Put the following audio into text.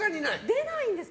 出ないんですか？